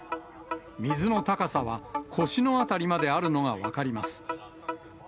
水の高さは腰のあたりまであるのが分かります。